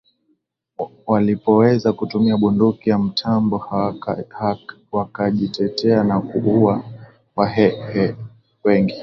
walipoweza kutumia bunduki ya mtambo wakajitetea na kuua Wahehe wengi